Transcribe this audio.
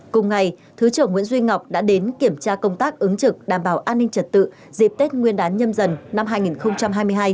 cùng ngày thứ trưởng nguyễn duy ngọc đã đến kiểm tra công tác ứng trực đảm bảo an ninh trật tự dịp tết nguyên đán nhâm dần năm hai nghìn hai mươi hai